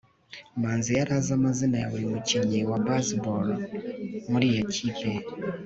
manzi yari azi amazina ya buri mukinnyi wa baseball muri iyo kipe